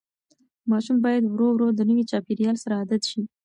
ماشوم باید ورو ورو د نوي چاپېریال سره عادت شي.